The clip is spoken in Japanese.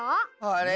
あれ？